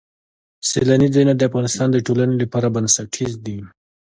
سیلاني ځایونه د افغانستان د ټولنې لپاره بنسټیز دي.